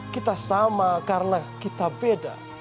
kita sama karena kita beda